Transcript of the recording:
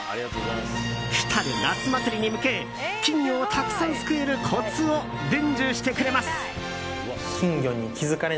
来たる夏祭りに向け金魚をたくさんすくえるコツを伝授してくれます。